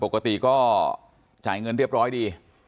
ปกติก็จ่ายเงินเรียบร้อยดี